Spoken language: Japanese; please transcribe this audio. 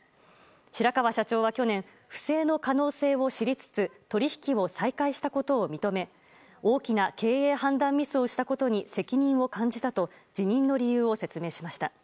白川社長は去年不正の可能性を知りつつ取引を再開したことを認め大きな経営判断ミスをしたことに責任を感じたと辞任の理由を説明しました。